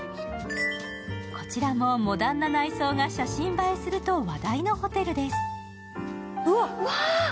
こちらもモダンな内装が写真映えすると話題のホテルです。